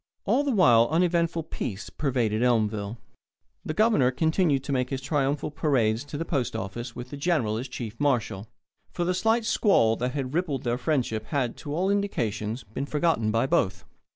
All the while uneventful peace pervaded Elmville. The Governor continued to make his triumphal parades to the post office with the General as chief marshal, for the slight squall that had rippled their friendship had, to all indications, been forgotten by both.